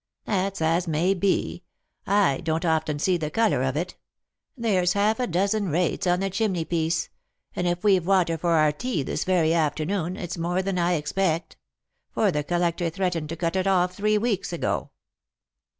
"That's as may be. J don't often see the colour of it. There's half a dozen rates on the chimney piece ; and if we've water for our tea this very afternoon, it's more than I expect ; for the collector threatened to cut it off three weeks ago."